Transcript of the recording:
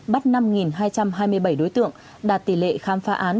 bắt năm hai trăm hai mươi bảy đối tượng đạt tỷ lệ khám phá án tám mươi sáu bảy